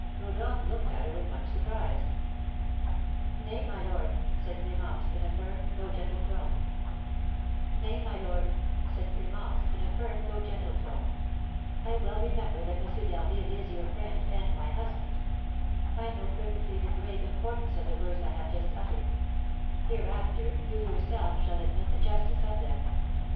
Rodolph looked at her with much surprise. "Nay, my lord," said Clémence, in a firm, though gentle tone, "I well remember that M. d'Harville is your friend and my husband. I know perfectly the grave importance of the words I have just uttered: hereafter you yourself shall admit the justice of them.